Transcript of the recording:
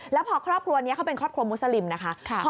แล้วพอครอบครัวนี้เขาเป็นครอบครัวมุสลิมนะคะ